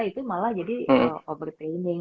itu malah jadi overtraining